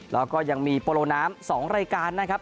แล้วก็ยังมีโปโลน้ำ๒รายการนะครับ